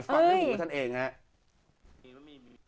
ฟังให้ผมกับท่านเองน่ะ